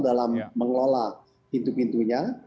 dalam mengelola pintu pintunya